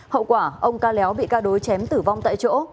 hậu quả ông ca léo bị ca đối chém tử vong tại chỗ